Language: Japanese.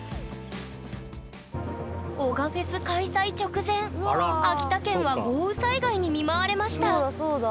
男鹿フェス開催直前秋田県は豪雨災害に見舞われましたそうだそうだ。